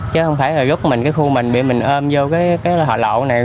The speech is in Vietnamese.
chứ không phải là rút mình cái khu mình bị mình ôm vô cái hòa lộ này